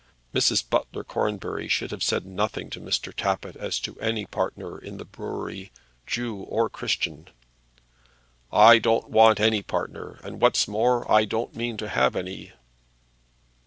Mrs. Butler Cornbury should have said nothing to Mr. Tappitt as to any partner in the brewery, Jew or Christian. "I don't want any partner, and what's more, I don't mean to have any."